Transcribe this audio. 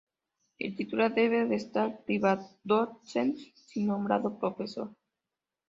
El titular deje de estar Privatdozent si nombrado profesor.